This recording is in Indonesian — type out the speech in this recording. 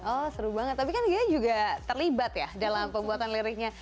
oh seru banget tapi kan ghea juga terlibat ya dalam pembuatan liriknya